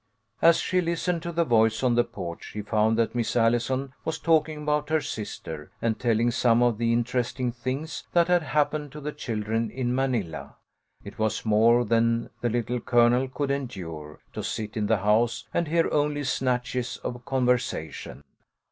As she listened to the voice on the porch she found that Miss Allison was talking about her sister, and telling some of the interesting things that had happened to the children in Manila. It was more 134 THE LITTLE COLONEL'S HOLIDAYS. than the Little Colonel could endure, to sit in the house and hear only snatches of conversation.